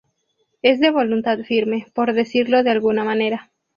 es de voluntad firme. por decirlo de alguna manera.